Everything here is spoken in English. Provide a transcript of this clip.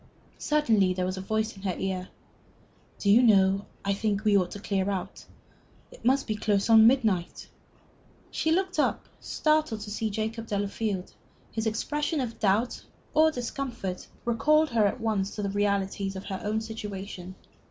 Suddenly there was a voice in her ear. "Do you know, I think we ought to clear out. It must be close on midnight." She looked up, startled, to see Jacob Delafield. His expression of doubt or discomfort recalled her at once to the realities of her own situation.